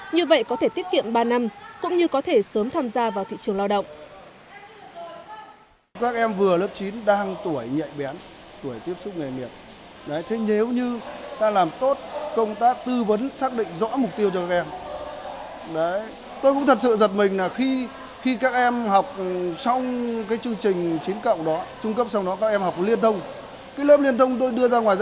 như vậy có thể tiết kiệm ba năm cũng như có thể sớm tham gia vào thị trường lao động